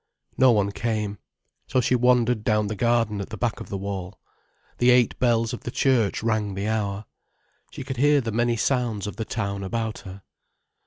No one came. So she wandered down the garden at the back of the wall. The eight bells of the church rang the hour. She could hear the many sounds of the town about her.